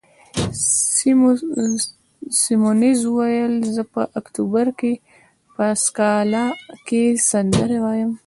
سیمونز وویل: زه په اکتوبر کې په سکالا کې سندرې وایم.